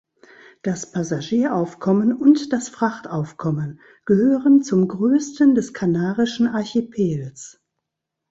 Das Passagieraufkommen und das Frachtaufkommen gehören zum größten des kanarischen Archipels.